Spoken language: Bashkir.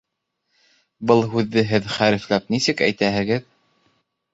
Был һүҙҙе һеҙ хәрефләп нисек әйтәһегеҙ?